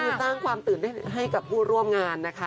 คือสร้างความตื่นเต้นให้กับผู้ร่วมงานนะคะ